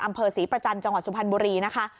อำเภอศรีประจันทร์จังหวัดสุพรรณบุรีนะคะ